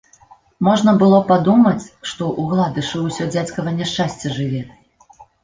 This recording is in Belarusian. Можна было падумаць, што ў гладышы ўсё дзядзькава няшчасце жыве.